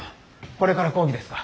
これから講義ですか？